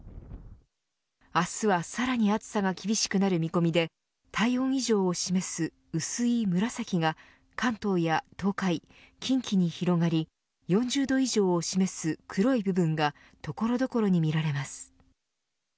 明日はさらに暑さが厳しくなる見込みで体温以上を示す薄い紫が関東や東海、近畿に広がり４０度以上を示す黒い部分が所々に見られます。